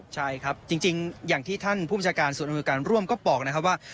ใช่ครับจริงอย่างที่ท่านผู้จัดการส่วนอุณหการร่วมก็บอกว่า